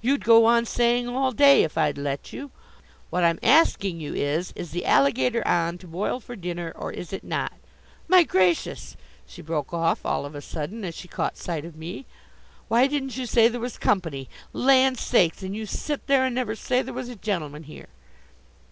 You'd go on saying all day if I'd let you. What I'm asking you is, is the alligator on to boil for dinner or is it not My gracious!" She broke off all of a sudden, as she caught sight of me. "Why didn't you say there was company? Land sakes! And you sit there and never say there was a gentleman here!"